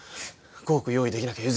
５億用意できなきゃ優